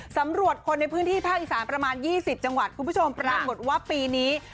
สำรวจคนในพื้นที่ภาคอีสานประมาณ๒๐จังหวัดคุณผู้ชมปรากฏว่าปีนี้